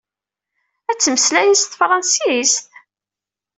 Ad ttmeslayen s tefṛansist?